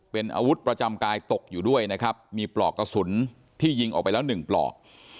เป็นอาวุธประจำกายตกอยู่ด้วยนะครับมีปลอกกระสุนที่ยิงออกไปแล้วหนึ่งปลอก